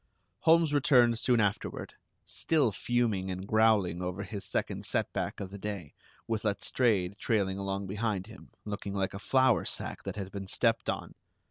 Holmes returned soon afterward, still fuming and growling over his second setback of the day, with Letstrayed trailing along behind him, looking like a flour sack that had been stepped on!